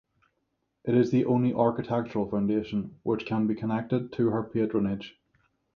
It is the only architectural foundation which can be connected to her patronage.